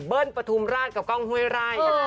เบิ้ลประทุมราชกับก้องห้วยราย